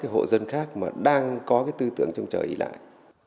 các hộ dân khác mà đang có cái tư tưởng trong trời ý lại